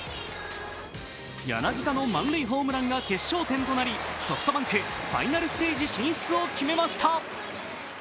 柳田の満塁ホームランが決勝点となりソフトバンク、ファイナルステージ進出を決めました。